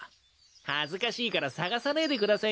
恥ずかしいから捜さねえでください